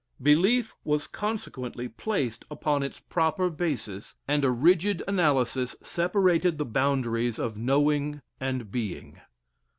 Belief was consequently placed upon its proper basis, and a rigid analysis separated the boundaries of Knowing and Being.